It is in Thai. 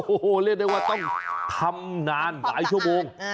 โอ้โหเรียกได้ว่าต้องทำนานหลายชั่วโมง